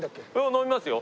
飲みますよ。